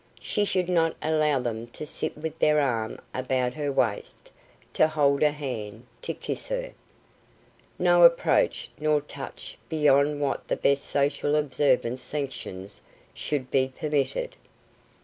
She should not allow them to sit with their arm about her waist, to hold her hand, to kiss her. No approach nor touch beyond what the best social observance sanctions should be permitted.